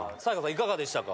いかがでしたか？